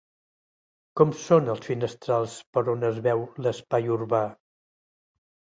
Com són els finestrals per on es veu l'espai urbà?